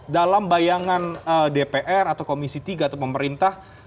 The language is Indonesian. dalam bayangan dpr atau komisi tiga atau pemerintah